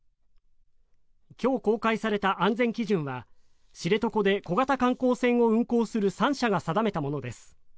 今日、公開された安全基準は知床で小型観光船を運航する３社が定めたものです。